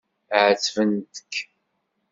Ɛettbent-k.